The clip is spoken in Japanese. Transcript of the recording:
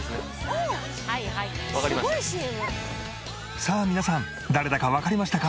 さあ皆さん誰だかわかりましたか？